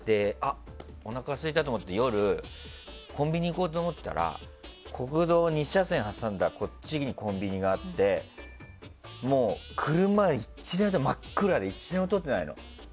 おなかすいたと思って夜、コンビニ行こうと思ったら国道２車線挟んだこっちにコンビニがあって真っ暗で車１台も通ってないの。